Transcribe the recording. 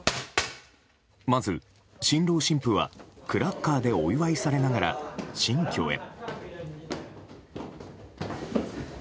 まず、新郎新婦はクラッカーでお祝いされながら新居へ。